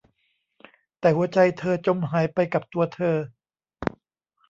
แต่หัวใจเธอจมหายไปกับตัวเธอ